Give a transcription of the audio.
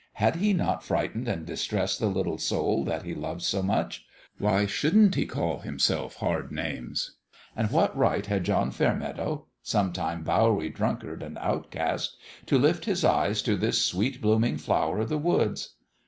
Had he not frightened and distressed the little soul that he loved so much ? Why shouldn't he call himself hard names ? And what right had John Fairmeadow, some time Bowery drunkard and outcast, to lift his eyes to this sweet blooming flower o' the woods